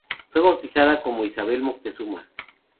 Fue bautizada como Isabel Moctezuma.